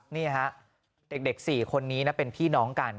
นี่ฮะเด็ก๔คนนี้นะเป็นพี่น้องกัน